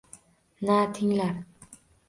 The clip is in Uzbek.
Na tinglar